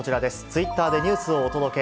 ツイッターでニュースをお届け。